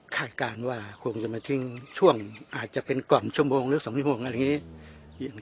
คาดการณ์ว่าคงจะมาทิ้งช่วงอาจจะเป็นก่อนชั่วโมงหรือสองชั่วโมง